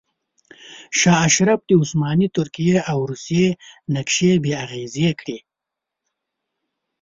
شاه اشرف د عثماني ترکیې او روسیې نقشې بې اغیزې کړې.